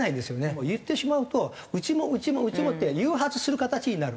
もう言ってしまうとうちもうちもうちもって誘発する形になる。